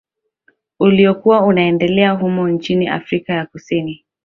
Uliokuwa unaendelea humo nchini Afrika ya Kusini